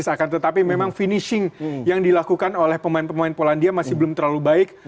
akan tetapi memang finishing yang dilakukan oleh pemain pemain polandia masih belum terlalu baik